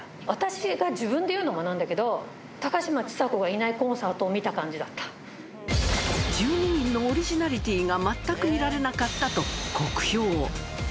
私が自分で言うのもなんだけど、高嶋ちさ子がいないコンサートを１２人のオリジナリティーが全く見られなかったと酷評。